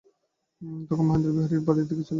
তখন মহেন্দ্র বিহারীর বাড়ির দিকে চলিল।